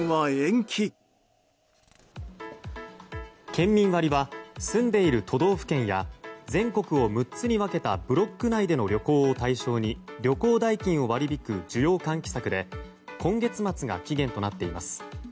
県民割は住んでいる都道府県や全国を６つに分けたブロック内での旅行を対象に旅行代金を割り引く需要喚起策で今月末が期限となっています。